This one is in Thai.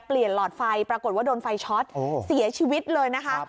หลอดไฟปรากฏว่าโดนไฟช็อตเสียชีวิตเลยนะคะ